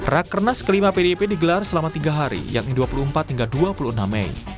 rakernas kelima pdip digelar selama tiga hari yakni dua puluh empat hingga dua puluh enam mei